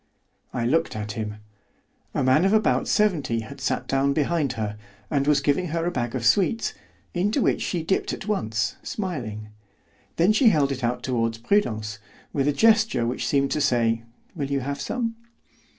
I looked at him. A man of about seventy had sat down behind her, and was giving her a bag of sweets, into which she dipped at once, smiling. Then she held it out toward Prudence, with a gesture which seemed to say, "Will you have some?"